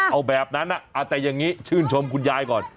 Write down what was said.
เอาแบบนั้นแต่อย่างนี้ชื่นชมคุณยายก่อน